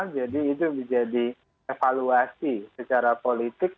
jadi itu menjadi evaluasi secara politik